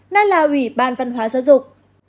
nên là ủy ban văn hóa giáo dục